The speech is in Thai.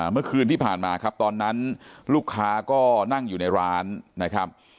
เมื่อคืนที่ผ่านมาครับตอนนั้นลูกค้าก็นั่งอยู่ในร้านนะครับ